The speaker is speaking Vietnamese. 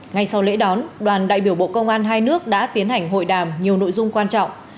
ngay sau lễ đón đoàn đại biểu bộ công an hai nước đã tiến hành hội đàm nhiều nội dung quan trọng